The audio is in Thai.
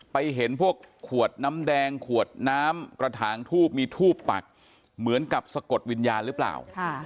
ไปเห็นพวกขวดน้ำแดงขวดน้ำกระถางทูบมีทูบปักเหมือนกับสะกดวิญญาณหรือเปล่า